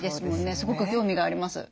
すごく興味があります。